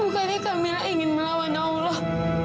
bukannya kamila ingin melawan allah